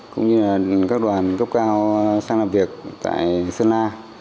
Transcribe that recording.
cũng như là các đoàn cấp cao sang làm việc tại sơn la